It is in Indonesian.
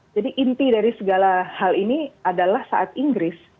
jadi inti dari segala hal ini adalah saat inggris